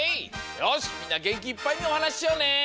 よしみんなげんきいっぱいにおはなししようね。